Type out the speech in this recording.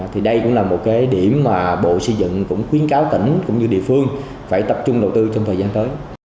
thì đây cũng là một cái điểm mà bộ xây dựng cũng khuyến cáo tỉnh cũng như địa phương phải tập trung đầu tư trong thời gian tới